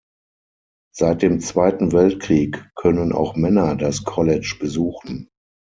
Seit dem Zweiten Weltkrieg können auch Männer das College besuchen.